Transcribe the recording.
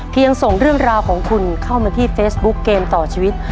ส่งเรื่องราวของคุณเข้ามาที่เฟซบุ๊คเกมต่อชีวิต